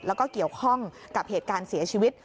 แล้วก็เกี่ยวข้องกับเหตุการณ์เสียชีวิต